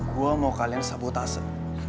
gue mau kalian sabotase